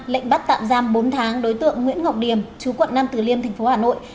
lệnh bắt tạm giam bốn tháng đối tượng nguyễn ngọc điềm chú quận năm từ liêm tp hà nội